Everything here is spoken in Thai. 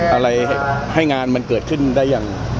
อะไรให้งานมันเกิดขึ้นได้อย่าง